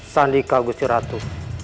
sandika gusti ratu